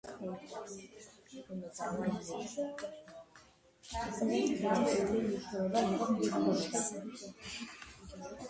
გაჭირებას გაჭირება მოჸუნსია."გაჭირვებას გაჭირვება მოჰყვებაო."